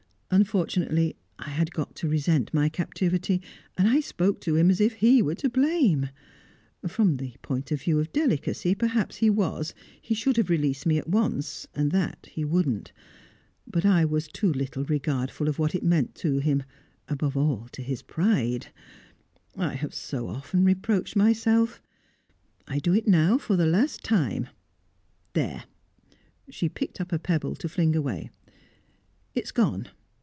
Unfortunately I had got to resent my captivity, and I spoke to him as if he were to blame. From the point of view of delicacy, perhaps he was; he should have released me at once, and that he wouldn't. But I was too little regardful of what it meant to him above all to his pride. I have so often reproached myself. I do it now for the last time. There!" She picked up a pebble to fling away. "It is gone!